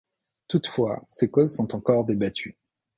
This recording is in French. Toutefois, ses causes sont encore débattues.